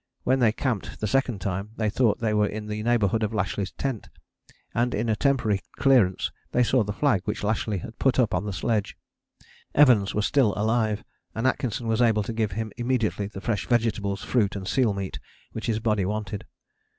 When they camped the second time they thought they were in the neighbourhood of Lashly's tent, and in a temporary clearance they saw the flag which Lashly had put up on the sledge. Evans was still alive, and Atkinson was able to give him immediately the fresh vegetables, fruit, and seal meat which his body wanted.